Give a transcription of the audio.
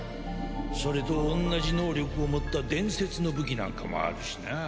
それと同じ能力を持った伝説の武器なんかもあるしな。